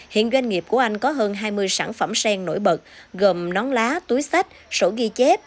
hiện doanh nghiệp của anh có hơn hai mươi sản phẩm sen nổi bật gồm nón lá túi sách sổ ghi chép